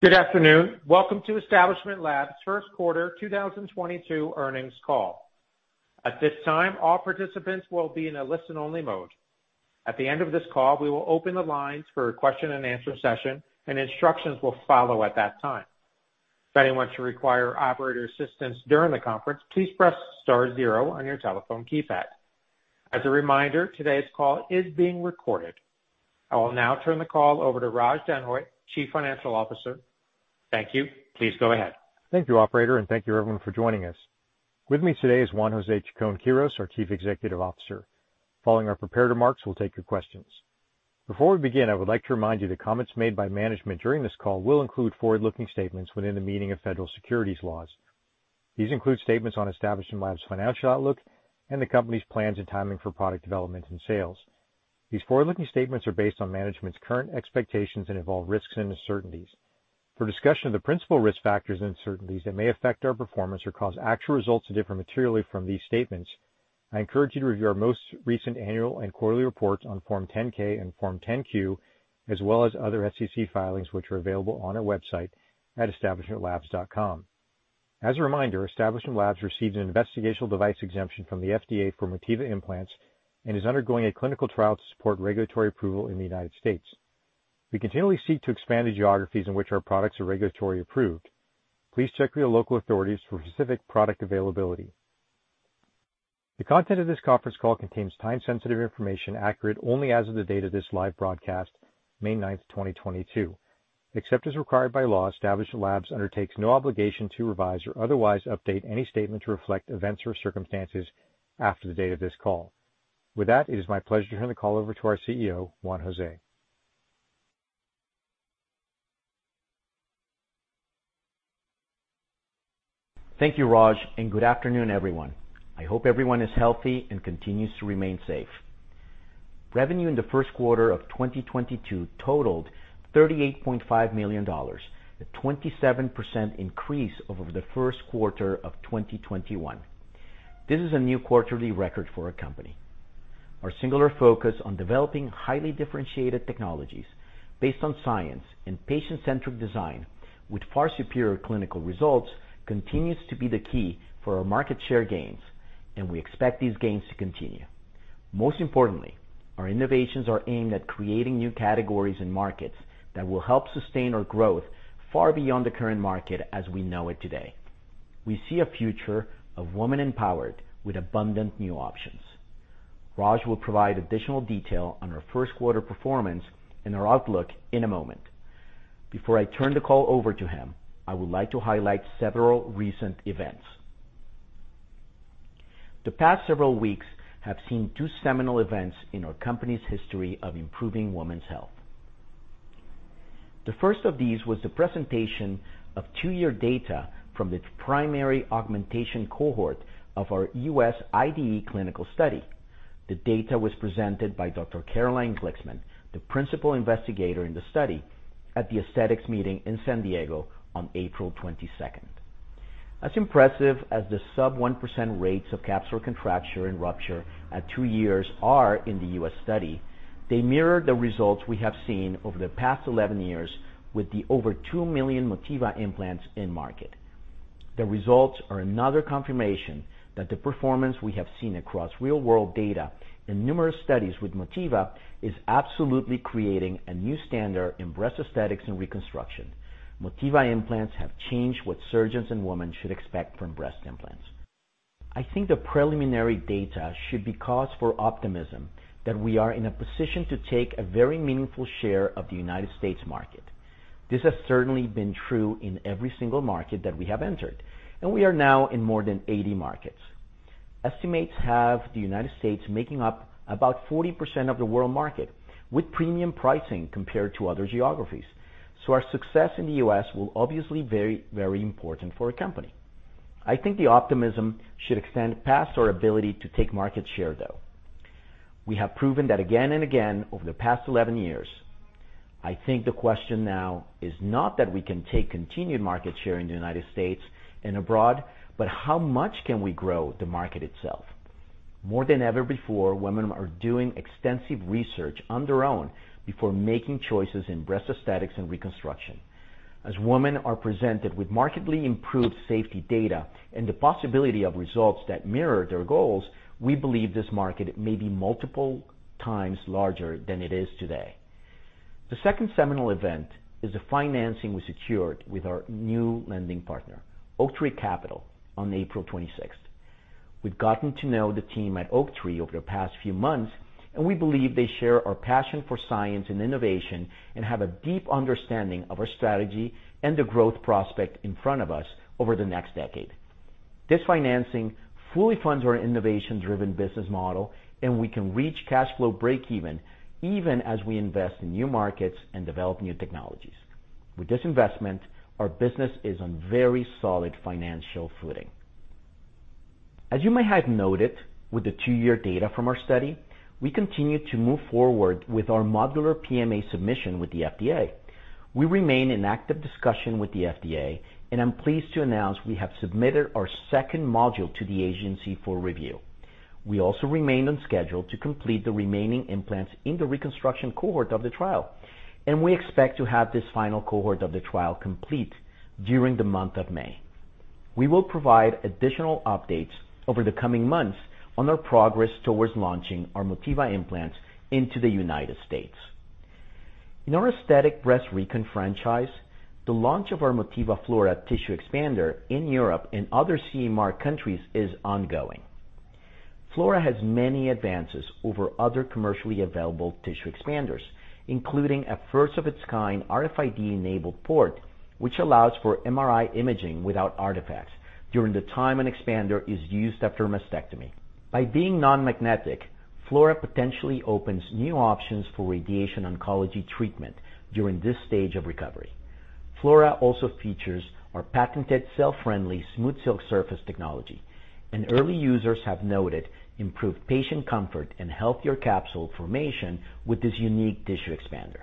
Good afternoon. Welcome to Establishment Labs' First Quarter 2022 Earnings Call. At this time, all participants will be in a listen-only mode. At the end of this call, we will open the lines for a question-and-answer session, and instructions will follow at that time. If anyone should require operator assistance during the conference, please press star zero on your telephone keypad. As a reminder, today's call is being recorded. I will now turn the call over to Raj Denhoy, Chief Financial Officer. Thank you. Please go ahead. Thank you, Operator, and thank you everyone for joining us. With me today is Juan José Chacón-Quirós, our Chief Executive Officer. Following our prepared remarks, we'll take your questions. Before we begin, I would like to remind you that comments made by management during this call will include forward-looking statements within the meaning of federal securities laws. These include statements on Establishment Labs' financial outlook and the company's plans and timing for product development and sales. These forward-looking statements are based on management's current expectations and involve risks and uncertainties. For a discussion of the principal risk factors and uncertainties that may affect our performance or cause actual results to differ materially from these statements, I encourage you to review our most recent annual and quarterly reports on Form 10-K and Form 10-Q, as well as other SEC filings, which are available on our website at establishmentlabs.com. As a reminder, Establishment Labs received an investigational device exemption from the FDA for Motiva Implants and is undergoing a clinical trial to support regulatory approval in the United States. We continually seek to expand the geographies in which our products are regulatory approved. Please check with your local authorities for specific product availability. The content of this conference call contains time-sensitive information accurate only as of the date of this live broadcast, May 9th, 2022. Except as required by law, Establishment Labs undertakes no obligation to revise or otherwise update any statement to reflect events or circumstances after the date of this call. With that, it is my pleasure to turn the call over to our CEO, Juan José. Thank you, Raj, and good afternoon, everyone. I hope everyone is healthy and continues to remain safe. Revenue in the first quarter of 2022 totaled $38.5 million, a 27% increase over the first quarter of 2021. This is a new quarterly record for our company. Our singular focus on developing highly differentiated technologies based on science and patient-centric design with far superior clinical results continues to be the key for our market share gains, and we expect these gains to continue. Most importantly, our innovations are aimed at creating new categories and markets that will help sustain our growth far beyond the current market as we know it today. We see a future of women empowered with abundant new options. Raj will provide additional detail on our first quarter performance and our outlook in a moment. Before I turn the call over to him, I would like to highlight several recent events. The past several weeks have seen two seminal events in our company's history of improving women's health. The first of these was the presentation of two-year data from the primary augmentation cohort of our U.S. IDE clinical study. The data was presented by Dr. Caroline Glicksman, the principal investigator in the study, at the Aesthetics Meeting in San Diego on April 22nd. As impressive as the sub 1% rates of capsular contracture and rupture at two years are in the U.S. study, they mirror the results we have seen over the past 11 years with the over 2 million Motiva Implants in-market. The results are another confirmation that the performance we have seen across real-world data in numerous studies with Motiva is absolutely creating a new standard in breast aesthetics and reconstruction. Motiva Implants have changed what surgeons and women should expect from breast implants. I think the preliminary data should be cause for optimism that we are in a position to take a very meaningful share of the United States market. This has certainly been true in every single market that we have entered, and we are now in more than 80 markets. Estimates have the United States making up about 40% of the world market, with premium pricing compared to other geographies. Our success in the U.S. will obviously very, very important for our company. I think the optimism should extend past our ability to take market share, though. We have proven that again and again over the past 11 years. I think the question now is not that we can take continued market share in the United States and abroad, but how much can we grow the market itself? More than ever before, women are doing extensive research on their own before making choices in breast aesthetics and reconstruction. As women are presented with markedly improved safety data and the possibility of results that mirror their goals, we believe this market may be multiple times larger than it is today. The second seminal event is the financing we secured with our new lending partner, Oaktree Capital, on April 26th. We've gotten to know the team at Oaktree over the past few months, and we believe they share our passion for science and innovation and have a deep understanding of our strategy and the growth prospect in front of us over the next decade. This financing fully funds our innovation-driven business model, and we can reach cash flow breakeven even as we invest in new markets and develop new technologies. With this investment, our business is on very solid financial footing. As you may have noted with the two-year data from our study, we continue to move forward with our modular PMA submission with the FDA. We remain in active discussion with the FDA, and I'm pleased to announce we have submitted our second module to the agency for review. We also remained on schedule to complete the remaining implants in the reconstruction cohort of the trial, and we expect to have this final cohort of the trial complete during the month of May. We will provide additional updates over the coming months on our progress towards launching our Motiva Implants into the United States. In our aesthetic breast recon franchise, the launch of our Motiva Flora tissue expander in Europe and other CE-mark countries is ongoing. Flora has many advances over other commercially available tissue expanders, including a first of its kind RFID-enabled port, which allows for MRI imaging without artifacts during the time an expander is used after mastectomy. By being non-magnetic, Flora potentially opens new options for radiation oncology treatment during this stage of recovery. Flora also features our patented cell-friendly SmoothSilk Surface technology, and early users have noted improved patient comfort and healthier capsule formation with this unique tissue expander.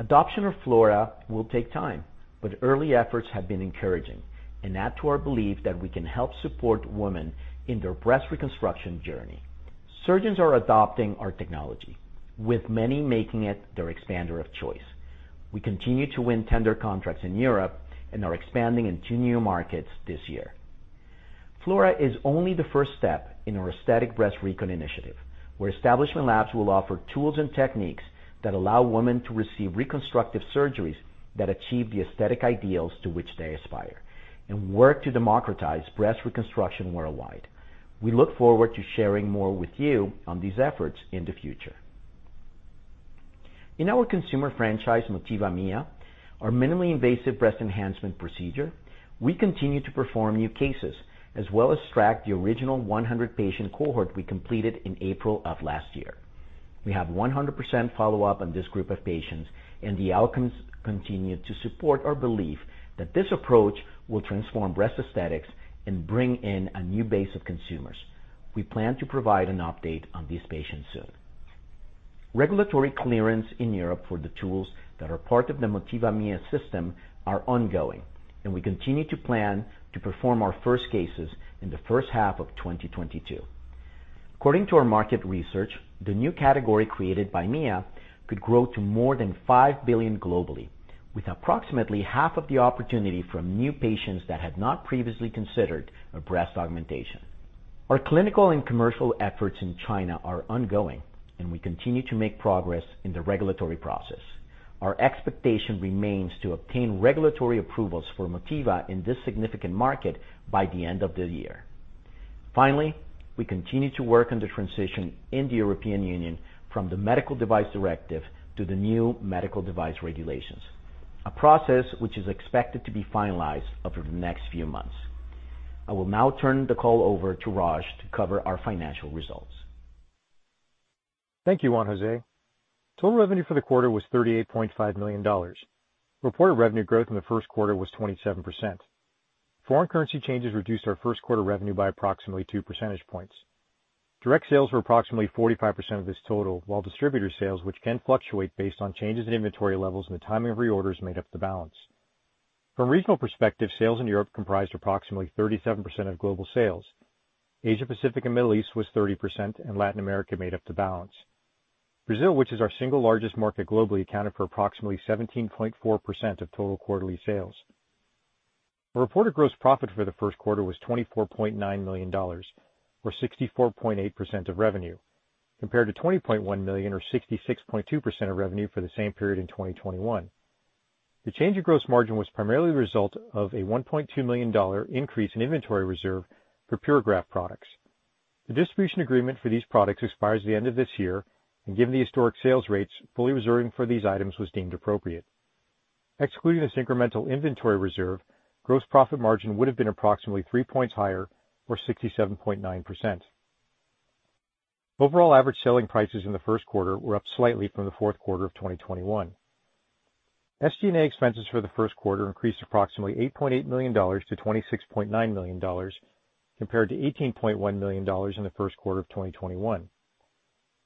Adoption of Flora will take time, but early efforts have been encouraging and add to our belief that we can help support women in their breast reconstruction journey. Surgeons are adopting our technology, with many making it their expander of choice. We continue to win tender contracts in Europe and are expanding into new markets this year. Flora is only the first step in our aesthetic breast recon initiative, where Establishment Labs will offer tools and techniques that allow women to receive reconstructive surgeries that achieve the aesthetic ideals to which they aspire and work to democratize breast reconstruction worldwide. We look forward to sharing more with you on these efforts in the future. In our consumer franchise, Motiva MIA, our minimally invasive breast enhancement procedure, we continue to perform new cases as well as track the original 100 patient cohort we completed in April of last year. We have 100% follow-up on this group of patients, and the outcomes continue to support our belief that this approach will transform breast aesthetics and bring in a new base of consumers. We plan to provide an update on these patients soon. Regulatory clearance in Europe for the tools that are part of the Motiva MIA system are ongoing, and we continue to plan to perform our first cases in the first half of 2022. According to our market research, the new category created by MIA could grow to more than $5 billion globally, with approximately half of the opportunity from new patients that had not previously considered a breast augmentation. Our clinical and commercial efforts in China are ongoing and we continue to make progress in the regulatory process. Our expectation remains to obtain regulatory approvals for Motiva in this significant market by the end of the year. Finally, we continue to work on the transition in the European Union from the Medical Device Directive to the new Medical Device Regulations, a process which is expected to be finalized over the next few months. I will now turn the call over to Raj to cover our financial results. Thank you, Juan José. Total revenue for the quarter was $38.5 million. Reported revenue growth in the first quarter was 27%. Foreign currency changes reduced our first quarter revenue by approximately 2 percentage points. Direct sales were approximately 45% of this total, while distributor sales, which can fluctuate based on changes in inventory levels and the timing of reorders, made up the balance. From a regional perspective, sales in Europe comprised approximately 37% of global sales. Asia-Pacific and Middle East was 30%, and Latin America made up the balance. Brazil, which is our single largest market globally, accounted for approximately 17.4% of total quarterly sales. Our reported gross profit for the first quarter was $24.9 million, or 64.8% of revenue, compared to $20.1 million or 66.2% of revenue for the same period in 2021. The change in gross margin was primarily the result of a $1.2 million increase in inventory reserve for Puregraft products. The distribution agreement for these products expires at the end of this year, and given the historic sales rates, fully reserving for these items was deemed appropriate. Excluding this incremental inventory reserve, gross profit margin would have been approximately 3 points higher, or 67.9%. Overall average selling prices in the first quarter were up slightly from the fourth quarter of 2021. SG&A expenses for the first quarter increased approximately $8.8 million to $26.9 million compared to $18.1 million in the first quarter of 2021.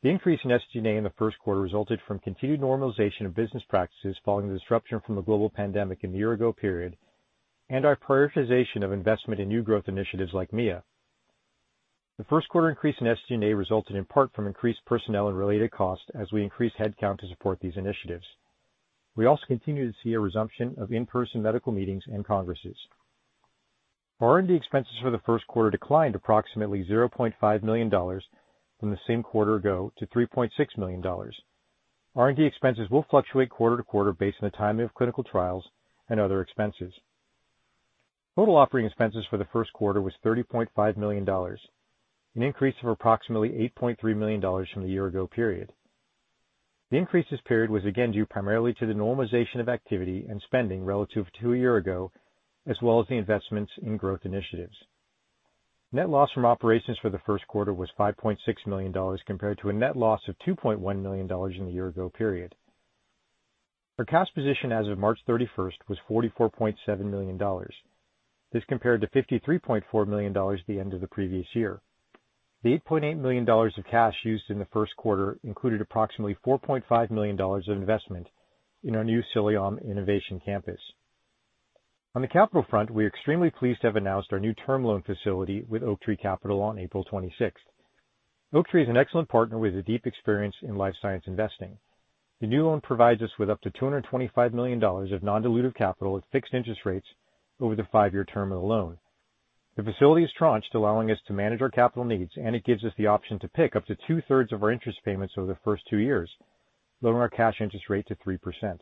The increase in SG&A in the first quarter resulted from continued normalization of business practices following the disruption from the global pandemic in the year ago period, and our prioritization of investment in new growth initiatives like MIA. The first quarter increase in SG&A resulted in part from increased personnel and related costs as we increased headcount to support these initiatives. We also continue to see a resumption of in-person medical meetings and congresses. R&D expenses for the first quarter declined approximately $0.5 million from the same quarter ago to $3.6 million. R&D expenses will fluctuate quarter to quarter based on the timing of clinical trials and other expenses. Total operating expenses for the first quarter was $30.5 million, an increase of approximately $8.3 million from the year ago period. The increase this period was again due primarily to the normalization of activity and spending relative to a year ago, as well as the investments in growth initiatives. Net loss from operations for the first quarter was $5.6 million compared to a net loss of $2.1 million in the year ago period. Our cash position as of March 31st was $44.7 million. This compared to $53.4 million at the end of the previous year. The $8.8 million of cash used in the first quarter included approximately $4.5 million of investment in our new Sulàyöm Innovation Campus. On the capital front, we are extremely pleased to have announced our new term loan facility with Oaktree Capital Management on April 26th. Oaktree Capital Management is an excellent partner with a deep experience in life science investing. The new loan provides us with up to $225 million of non-dilutive capital at fixed interest rates over the five-year term of the loan. The facility is tranched, allowing us to manage our capital needs, and it gives us the option to PIK up to 2/3 of our interest payments over the first two years, lowering our cash interest rate to 3%.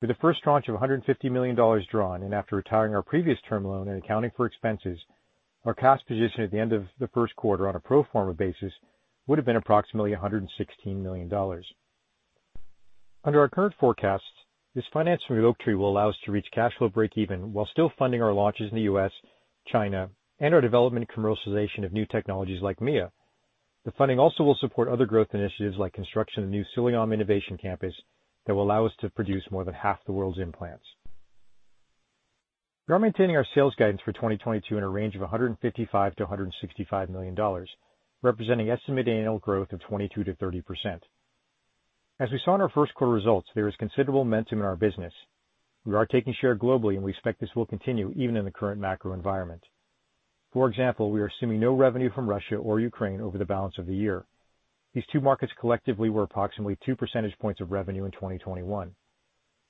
With the first tranche of $150 million drawn, and after retiring our previous term loan and accounting for expenses, our cash position at the end of the first quarter on a pro forma basis would have been approximately $116 million. Under our current forecasts, this financing with Oaktree will allow us to reach cash flow breakeven while still funding our launches in the U.S., China, and our development and commercialization of new technologies like MIA. The funding also will support other growth initiatives like construction of new Sulàyöm Innovation Campus that will allow us to produce more than half the world's implants. We are maintaining our sales guidance for 2022 in a range of $155 million-$165 million, representing estimated annual growth of 22%-30%. As we saw in our first quarter results, there is considerable momentum in our business. We are taking share globally, and we expect this will continue even in the current macro environment. For example, we are assuming no revenue from Russia or Ukraine over the balance of the year. These two markets collectively were approximately 2 percentage points of revenue in 2021.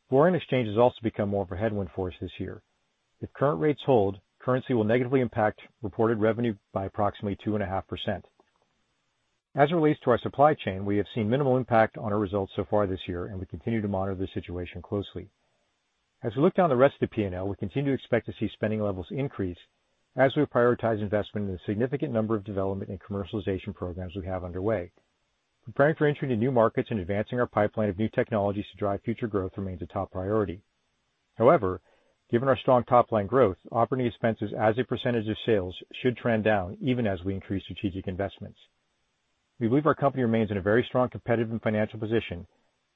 Foreign exchange has also become more of a headwind for us this year. If current rates hold, currency will negatively impact reported revenue by approximately 2.5%. As it relates to our supply chain, we have seen minimal impact on our results so far this year, and we continue to monitor the situation closely. As we look down the rest of the P&L, we continue to expect to see spending levels increase as we prioritize investment in the significant number of development and commercialization programs we have underway. Preparing for entry to new markets and advancing our pipeline of new technologies to drive future growth remains a top priority. However, given our strong top line growth, operating expenses as a percentage of sales should trend down even as we increase strategic investments. We believe our company remains in a very strong competitive and financial position.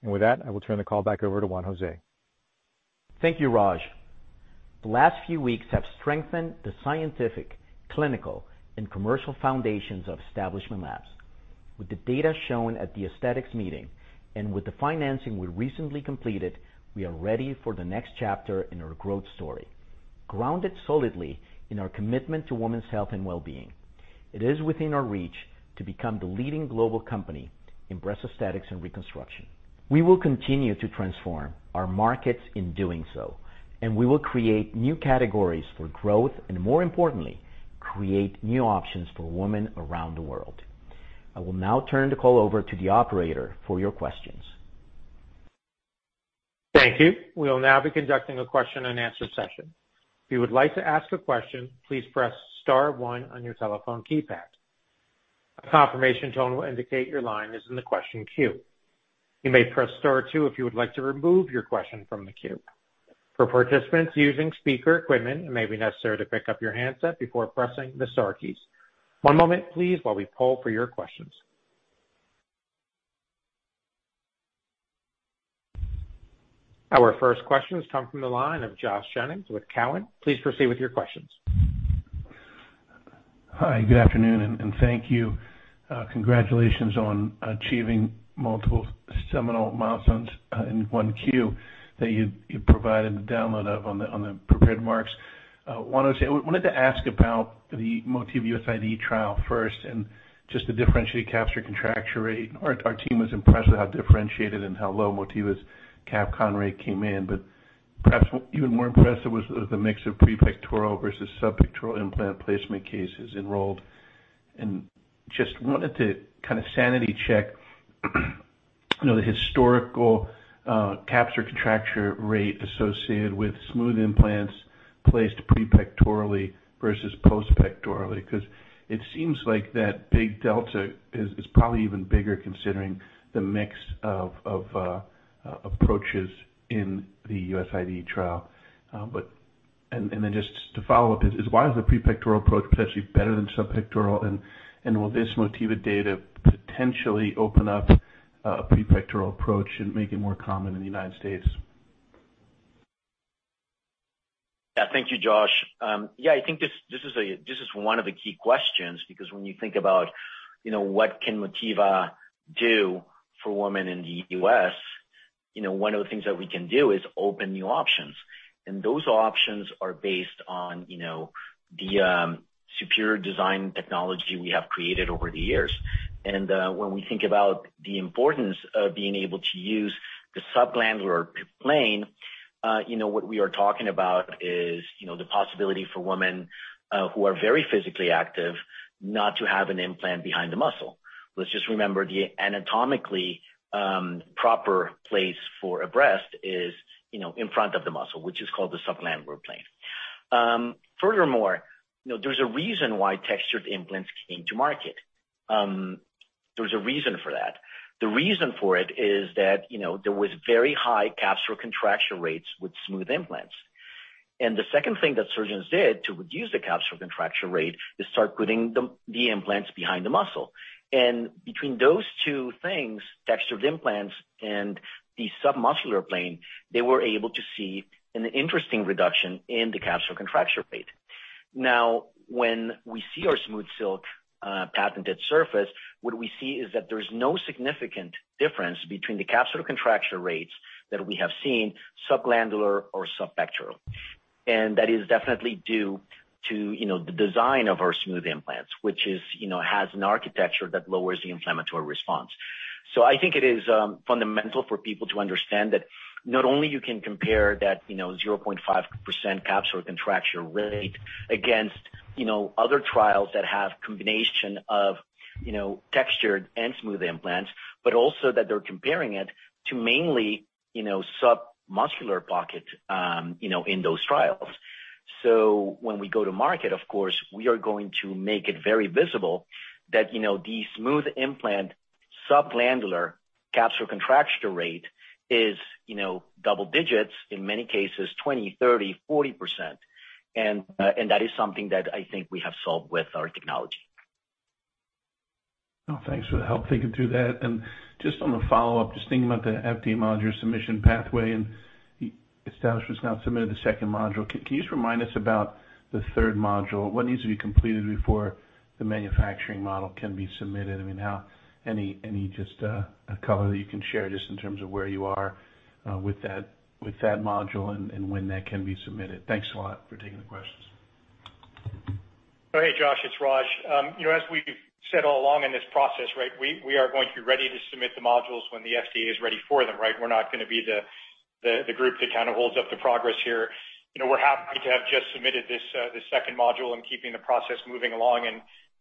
With that, I will turn the call back over to Juan José. Thank you, Raj. The last few weeks have strengthened the scientific, clinical, and commercial foundations of Establishment Labs. With the data shown at the aesthetics meeting and with the financing we recently completed, we are ready for the next chapter in our growth story, grounded solidly in our commitment to women's health and wellbeing. It is within our reach to become the leading global company in breast aesthetics and reconstruction. We will continue to transform our markets in doing so, and we will create new categories for growth and more importantly, create new options for women around the world. I will now turn the call over to the operator for your questions. Thank you. We will now be conducting a question and answer session. If you would like to ask a question, please press star one on your telephone keypad. A confirmation tone will indicate your line is in the question queue. You may press star two if you would like to remove your question from the queue. For participants using speaker equipment, it may be necessary to pick up your handset before pressing the star keys. One moment, please, while we poll for your questions. Our first question has come from the line of Josh Jennings with Cowen. Please proceed with your questions. Hi, good afternoon, and thank you. Congratulations on achieving multiple seminal milestones in one Q that you provided the rundown of on the prepared remarks. Juan José, I wanted to ask about the Motiva US IDE trial first and just the differentiated capsular contracture rate. Our team was impressed with how differentiated and how low Motiva's capsular contracture rate came in. But perhaps even more impressive was the mix of prepectoral versus subpectoral implant placement cases enrolled. Just wanted to kind of sanity check, you know, the historical capsular contracture rate associated with smooth implants placed prepectoral versus subpectoral, because it seems like that big delta is probably even bigger considering the mix of approaches in the U.S. IDE trial. Just to follow up is why is the prepectoral approach potentially better than subpectoral, and will this Motiva data potentially open up a prepectoral approach and make it more common in the United States? Yeah. Thank you, Josh. Yeah, I think this is one of the key questions, because when you think about, you know, what can Motiva do for women in the U.S., you know, one of the things that we can do is open new options. Those options are based on, you know, the superior design technology we have created over the years. When we think about the importance of being able to use the subglandular plane, you know, what we are talking about is, you know, the possibility for women who are very physically active not to have an implant behind the muscle. Let's just remember the anatomically proper place for a breast is, you know, in front of the muscle, which is called the subglandular plane. Furthermore, you know, there's a reason why textured implants came to market. There's a reason for that. The reason for it is that, you know, there was very high capsular contracture rates with smooth implants. The second thing that surgeons did to reduce the capsular contracture rate is start putting the implants behind the muscle. Between those two things, textured implants and the submuscular plane, they were able to see an interesting reduction in the capsular contracture rate. Now, when we see our SmoothSilk patented surface, what we see is that there's no significant difference between the capsular contracture rates that we have seen subglandular or subpectoral. That is definitely due to, you know, the design of our smooth implants, which has an architecture that lowers the inflammatory response. I think it is fundamental for people to understand that not only you can compare that, you know, 0.5% capsular contracture rate against, you know, other trials that have combination of, you know, textured and smooth implants, but also that they're comparing it to mainly, you know, submuscular pocket, you know, in those trials. When we go to market, of course, we are going to make it very visible that, you know, the smooth implant subglandular capsular contracture rate is, you know, double digits, in many cases, 20, 30, 40%. And that is something that I think we have solved with our technology. Oh, thanks for the help thinking through that. Just on a follow-up, just thinking about the FDA module submission pathway, and Establishment Labs has now submitted the second module. Can you just remind us about the third module? What needs to be completed before the manufacturing module can be submitted? I mean, how any just color that you can share just in terms of where you are with that module and when that can be submitted. Thanks a lot for taking the questions. Oh, hey, Josh, it's Raj. You know, as we've said all along in this process, right, we are going to be ready to submit the modules when the FDA is ready for them, right? We're not gonna be the group that kind of holds up the progress here. You know, we're happy to have just submitted this second module and keeping the process moving along, and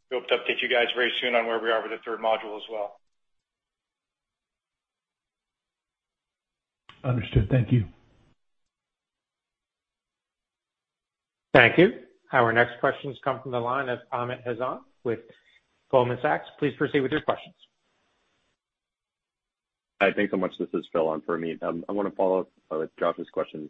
we hope to update you guys very soon on where we are with the third module as well. Understood. Thank you. Thank you. Our next questions come from the line of Amit Hazan with Goldman Sachs. Please proceed with your questions. Hi, thanks so much. This is Phil on for Amit. I wanna follow up with Josh's question,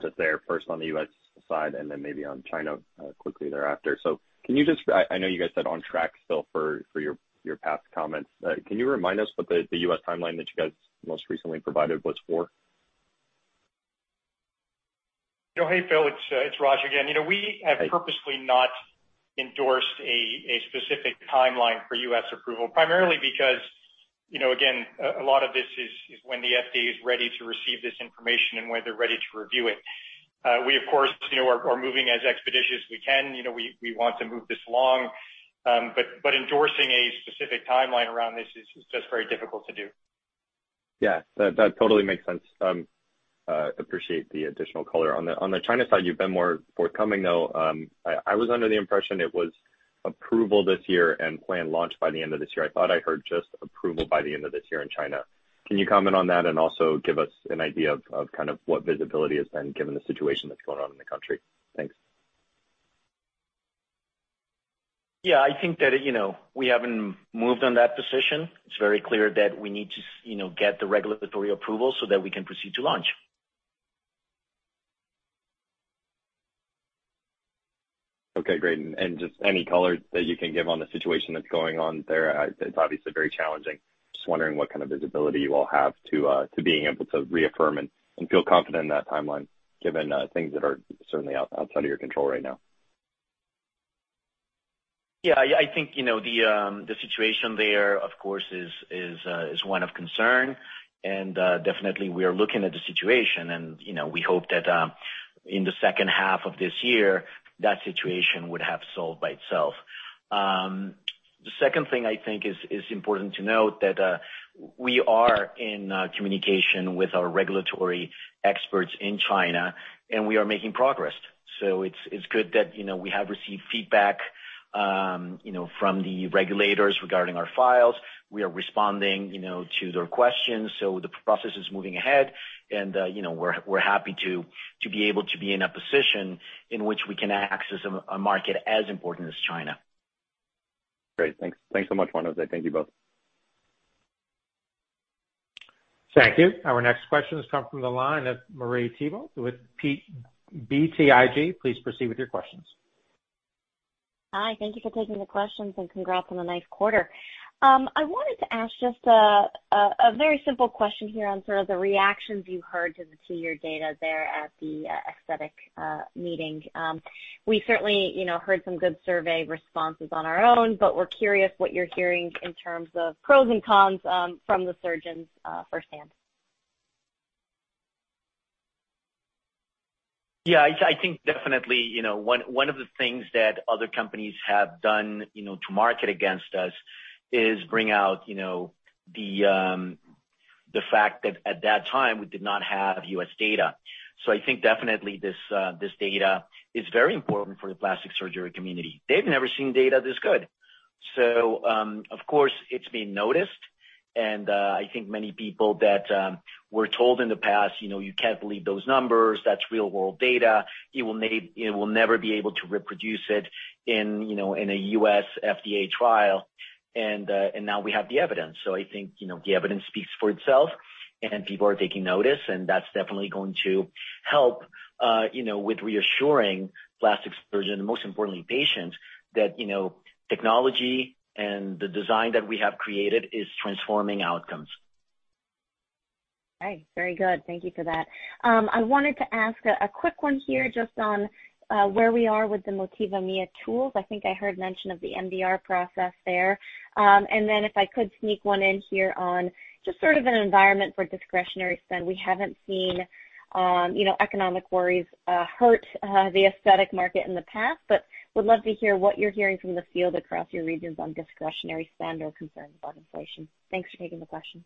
just there first on the U.S. side and then maybe on China, quickly thereafter. I know you guys said on track still for your past comments. Can you remind us what the U.S. timeline that you guys most recently provided was for? Oh, hey, Phil, it's Raj again. You know, we have purposely not endorsed a specific timeline for U.S. approval, primarily because, you know, again, a lot of this is when the FDA is ready to receive this information and when they're ready to review it. We, of course, you know, are moving as expeditious as we can. You know, we want to move this along, but endorsing a specific timeline around this is just very difficult to do. Yeah. That totally makes sense. Appreciate the additional color. On the China side, you've been more forthcoming though. I was under the impression it was approval this year and planned launch by the end of this year. I thought I heard just approval by the end of this year in China. Can you comment on that and also give us an idea of kind of what visibility has been given the situation that's going on in the country? Thanks. Yeah. I think that, you know, we haven't moved on that position. It's very clear that we need to, you know, get the regulatory approval so that we can proceed to launch. Okay, great. Just any color that you can give on the situation that's going on there. It's obviously very challenging. Just wondering what kind of visibility you all have to being able to reaffirm and feel confident in that timeline given things that are certainly outside of your control right now. Yeah. I think, you know, the situation there of course is one of concern. Definitely we are looking at the situation and, you know, we hope that in the second half of this year, that situation would have solved by itself. The second thing I think is important to note that we are in communication with our regulatory experts in China, and we are making progress. It's good that, you know, we have received feedback, you know, from the regulators regarding our files. We are responding, you know, to their questions, so the process is moving ahead. You know, we're happy to be able to be in a position in which we can access a market as important as China. Great. Thanks. Thanks so much, Juan José. Thank you both. Thank you. Our next question has come from the line of Marie Thibault with BTIG. Please proceed with your questions. Hi. Thank you for taking the questions and congrats on a nice quarter. I wanted to ask just a very simple question here on sort of the reactions you heard to the two-year data there at the aesthetic meeting. We certainly, you know, heard some good survey responses on our own, but we're curious what you're hearing in terms of pros and cons from the surgeons firsthand. Yeah. I think definitely, you know, one of the things that other companies have done, you know, to market against us is bring out, you know, the fact that at that time we did not have U.S. data. I think definitely this data is very important for the plastic surgery community. They've never seen data this good. Of course, it's being noticed, and I think many people that were told in the past, you know, "You can't believe those numbers, that's real world data. You will never be able to reproduce it in, you know, in a U.S. FDA trial." Now we have the evidence. I think, you know, the evidence speaks for itself, and people are taking notice, and that's definitely going to help, you know, with reassuring plastic surgeon, most importantly, patients that, you know, technology and the design that we have created is transforming outcomes. Right. Very good. Thank you for that. I wanted to ask a quick one here just on where we are with the Motiva Mia tools. I think I heard mention of the MDR process there. If I could sneak one in here on just sort of an environment for discretionary spend. We haven't seen, you know, economic worries hurt the aesthetic market in the past, but would love to hear what you're hearing from the field across your regions on discretionary spend or concerns about inflation. Thanks for taking the question.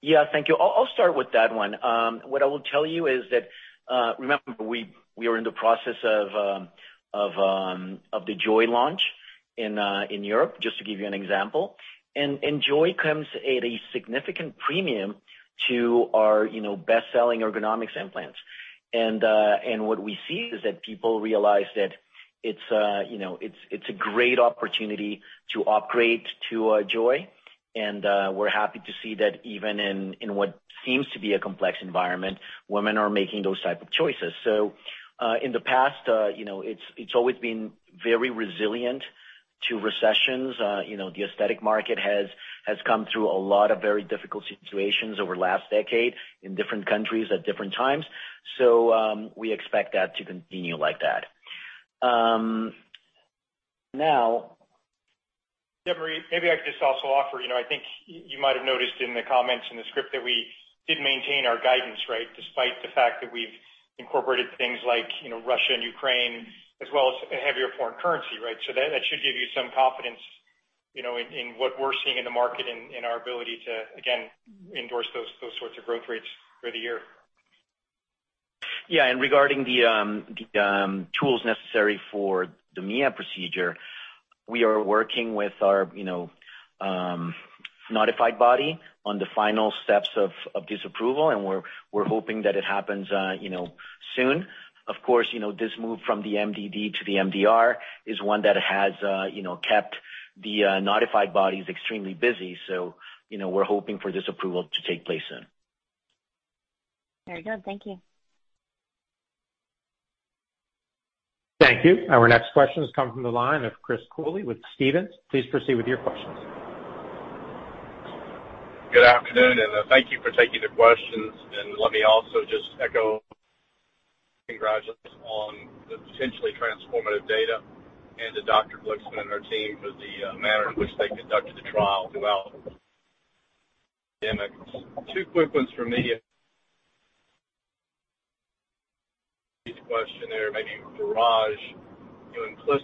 Yeah. Thank you. I'll start with that one. What I will tell you is that remember, we are in the process of the JOY launch in Europe, just to give you an example. JOY comes at a significant premium to our best-selling Ergonomix implants. What we see is that people realize that it's a great opportunity to upgrade to JOY. We're happy to see that even in what seems to be a complex environment, women are making those type of choices. In the past, you know, it's always been very resilient to recessions. You know, the aesthetic market has come through a lot of very difficult situations over last decade in different countries at different times. We expect that to continue like that. Deborah, maybe I could just also offer, you know, I think you might have noticed in the comments in the script that we did maintain our guidance, right, despite the fact that we've incorporated things like, you know, Russia and Ukraine, as well as a heavier foreign currency, right? So that should give you some confidence, you know, in what we're seeing in the market and in our ability to, again, endorse those sorts of growth rates for the year. Yeah. Regarding the tools necessary for the MIA procedure, we are working with our notified body on the final steps of this approval, and we're hoping that it happens soon. Of course, this move from the MDD to the MDR is one that has kept the notified bodies extremely busy. We're hoping for this approval to take place soon. Very good. Thank you. Thank you. Our next question has come from the line of Chris Cooley with Stephens. Please proceed with your questions. Good afternoon, and thank you for taking the questions. Let me also just echo congrats on the potentially transformative data and to Dr. Caroline Glicksman and their team for the manner in which they conducted the trial throughout the pandemic. Two quick ones for me. This question, or maybe for Raj, you implied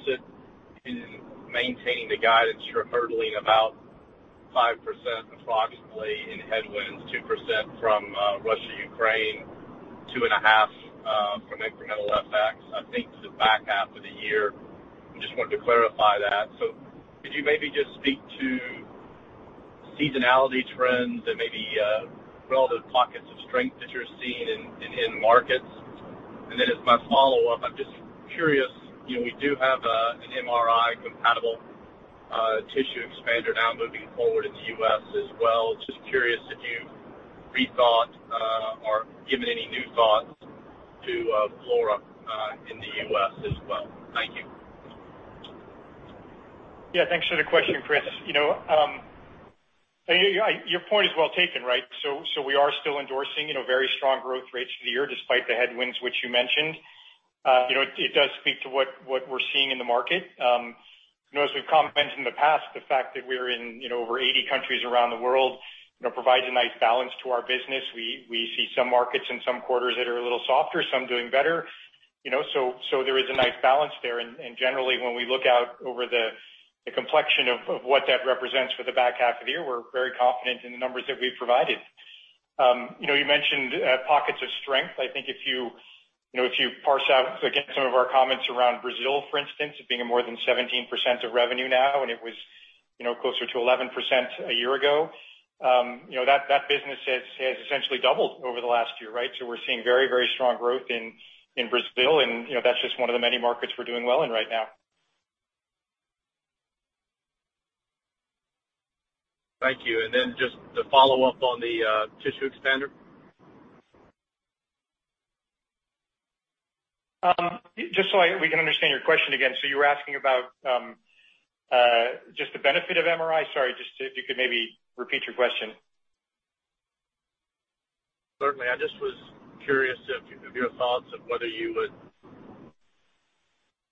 in maintaining the guidance, you're hurdling about 5% approximately in headwinds, 2% from Russia, Ukraine, 2.5 from incremental FX, I think the back half of the year. I just wanted to clarify that. Could you maybe just speak to seasonality trends and maybe relative pockets of strength that you're seeing in markets? Then as my follow-up, I'm just curious, you know, we do have an MRI-compatible tissue expander now moving forward in the U.S. as well. Just curious if you've rethought, or given any new thoughts to, Flora, in the U.S. as well. Thank you. Yeah. Thanks for the question, Chris. You know, yeah, your point is well taken, right? We are still endorsing, you know, very strong growth rates for the year despite the headwinds which you mentioned. It does speak to what we're seeing in the market. You know, as we've commented in the past, the fact that we're in, you know, over 80 countries around the world, you know, provides a nice balance to our business. We see some markets in some quarters that are a little softer, some doing better, you know, so there is a nice balance there. Generally, when we look out over the complexion of what that represents for the back half of the year, we're very confident in the numbers that we've provided. You know, you mentioned pockets of strength. I think if you know, if you parse out, again, some of our comments around Brazil, for instance, it being more than 17% of revenue now, and it was, you know, closer to 11% a year ago, you know, that business has essentially doubled over the last year, right? We're seeing very, very strong growth in Brazil and, you know, that's just one of the many markets we're doing well in right now. Thank you. Just to follow up on the tissue expander. Just so we can understand your question again. You were asking about just the benefit of MRI? Sorry, just if you could maybe repeat your question. Certainly. I just was curious of your thoughts of whether you would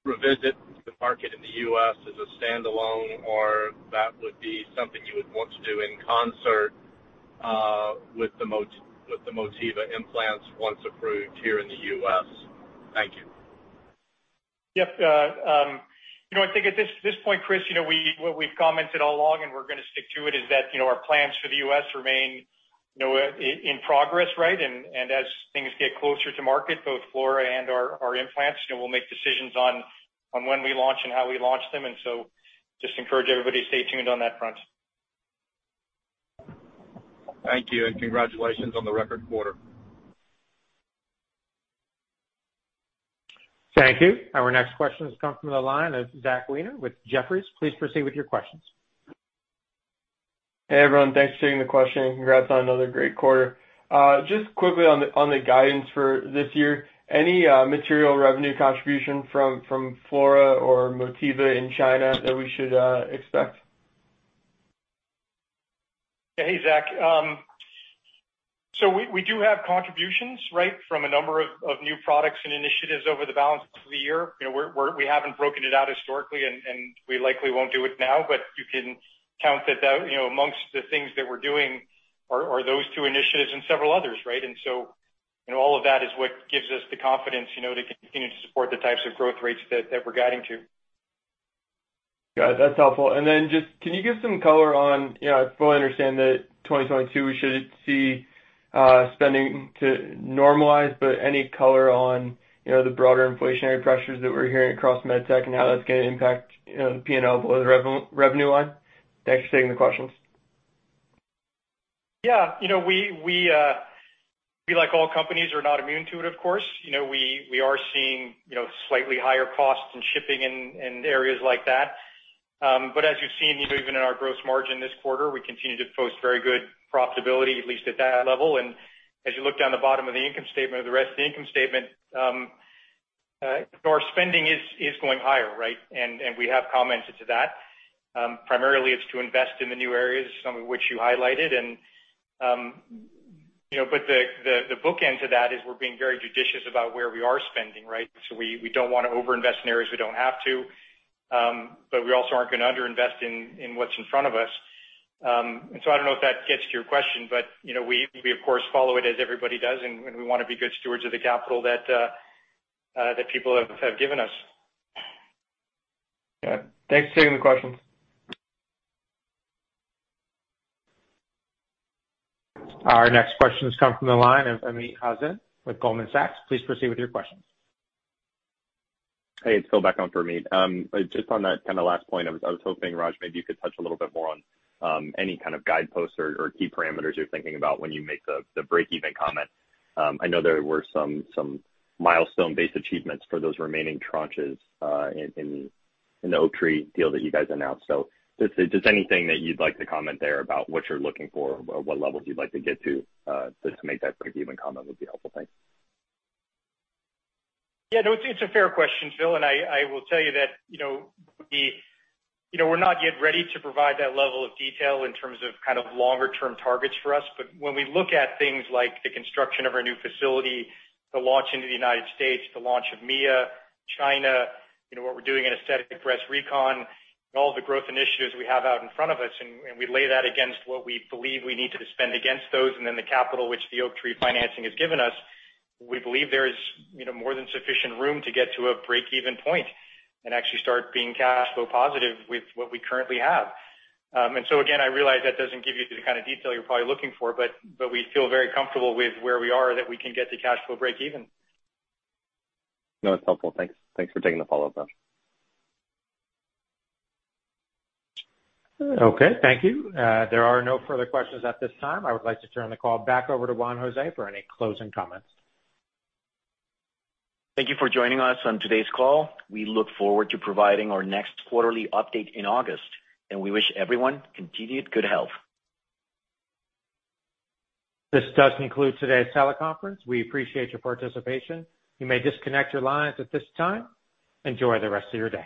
revisit the market in the U.S. as a standalone, or that would be something you would want to do in concert with the Motiva Implants once approved here in the U.S. Thank you. Yep. You know, I think at this point, Chris, you know, what we've commented all along, and we're gonna stick to it, is that, you know, our plans for the U.S. remain, you know, in progress, right? As things get closer to market, both Flora and our implants, you know, we'll make decisions on when we launch and how we launch them. Just encourage everybody to stay tuned on that front. Thank you, and congratulations on the record quarter. Thank you. Our next question has come from the line of Zachary Weiner with Jefferies. Please proceed with your questions. Hey, everyone. Thanks for taking the question, and congrats on another great quarter. Just quickly on the guidance for this year, any material revenue contribution from Flora or Motiva in China that we should expect? Hey, Zach. We do have contributions, right, from a number of new products and initiatives over the balance of the year. You know, we haven't broken it out historically and we likely won't do it now, but you can count that out. You know, amongst the things that we're doing are those two initiatives and several others, right? You know, all of that is what gives us the confidence to continue to support the types of growth rates that we're guiding to. Got it. That's helpful. Just can you give some color on, you know, I fully understand that 2022 we should see spending to normalize, but any color on, you know, the broader inflationary pressures that we're hearing across med tech and how that's gonna impact, you know, the P&L or the revenue line? Thanks for taking the questions. Yeah. You know, we, like all companies, are not immune to it, of course. You know, we are seeing, you know, slightly higher costs in shipping and areas like that. As you've seen, you know, even in our gross margin this quarter, we continue to post very good profitability, at least at that level. As you look to the bottom of the income statement or the rest of the income statement, our spending is going higher, right? We have commented on that. Primarily it's to invest in the new areas, some of which you highlighted. You know, but the bookend to that is we're being very judicious about where we are spending, right? We don't wanna over-invest in areas we don't have to, but we also aren't gonna under-invest in what's in front of us. I don't know if that gets to your question, but you know, we of course follow it as everybody does, and we wanna be good stewards of the capital that people have given us. Yeah. Thanks for taking the questions. Our next questions come from the line of Amit Hazan with Goldman Sachs. Please proceed with your questions. Hey, it's Phil back on for Amit. Just on that kinda last point, I was hoping, Raj, maybe you could touch a little bit more on any kind of guideposts or key parameters you're thinking about when you make the breakeven comment. I know there were some milestone-based achievements for those remaining tranches in the Oaktree deal that you guys announced. Just anything that you'd like to comment there about what you're looking for or what levels you'd like to get to just to make that breakeven comment would be helpful. Thanks. Yeah, no, it's a fair question, Phil, and I will tell you that, you know, the. You know, we're not yet ready to provide that level of detail in terms of kind of longer term targets for us. When we look at things like the construction of our new facility, the launch into the United States, the launch of MIA, China, you know, what we're doing in aesthetic breast recon, and all the growth initiatives we have out in front of us, and we lay that against what we believe we need to spend against those, and then the capital which the Oaktree financing has given us, we believe there is, you know, more than sufficient room to get to a breakeven point and actually start being cash flow positive with what we currently have. Again, I realize that doesn't give you the kind of detail you're probably looking for, but we feel very comfortable with where we are that we can get to cash flow breakeven. No, it's helpful. Thanks. Thanks for taking the follow-up, Raj. Okay. Thank you. There are no further questions at this time. I would like to turn the call back over to Juan José for any closing comments. Thank you for joining us on today's call. We look forward to providing our next quarterly update in August, and we wish everyone continued good health. This does conclude today's teleconference. We appreciate your participation. You may disconnect your lines at this time. Enjoy the rest of your day.